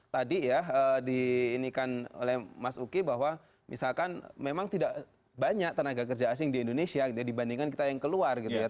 tadi ya diinikan oleh mas uki bahwa misalkan memang tidak banyak tenaga kerja asing di indonesia dibandingkan kita yang keluar gitu ya